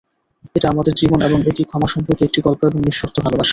এটা আমাদের জীবন, এবং এটি ক্ষমা সম্পর্কে একটি গল্প এবং নিঃশর্ত ভালবাসা।